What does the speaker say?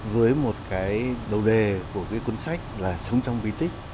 với một cái đầu đề của cái cuốn sách là sống trong bi tích